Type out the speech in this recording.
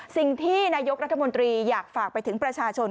สิ่งที่นายกรัฐมนตรีอยากฝากไปถึงประชาชน